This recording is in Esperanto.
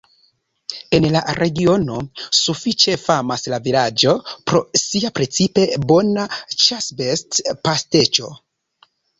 En la regiono sufiĉe famas la vilaĝo pro sia precipe bona ĉasbest-pasteĉo.